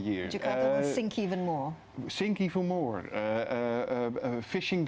jakarta akan mengejar lebih banyak